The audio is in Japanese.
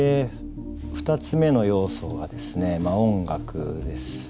２つ目の要素はですね音楽ですね。